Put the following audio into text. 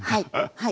はい。